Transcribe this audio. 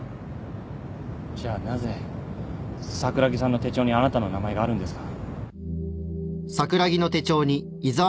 じゃあなぜ桜木さんの手帳にあなたの名前があるんですか？